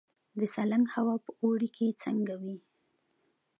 د سالنګ هوا په اوړي کې څنګه وي؟